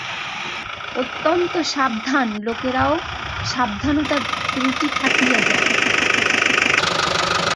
অত্যন্ত সাবধান লোকেরও সাবধানতায় ত্রুটি থাকিয়া যায়।